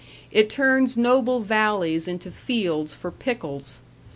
It turns noble valleys into fields for pickles.